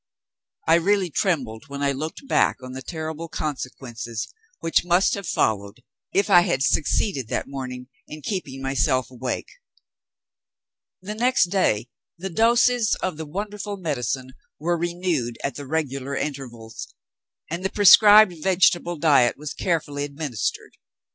I really trembled when I looked back on the terrible consequences which must have followed, if I had succeeded that morning in keeping myself awake. The next day, the doses of the wonderful medicine were renewed at the regular intervals; and the prescribed vegetable diet was carefully administered.